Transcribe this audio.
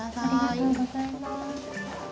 ありがとうございます。